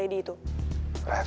jadi kayak gitu ref